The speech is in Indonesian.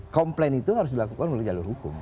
komplain itu harus dilakukan melalui jalur hukum